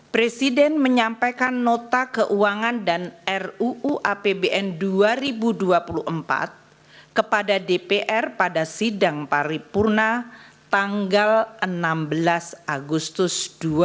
presiden menyampaikan nota keuangan dan ruu apbn dua ribu dua puluh empat kepada dpr pada sidang paripurna tanggal enam belas agustus dua ribu dua puluh